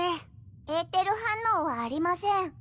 エーテル反応はありません。